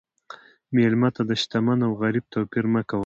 مېلمه ته د شتمن او غریب توپیر مه کوه.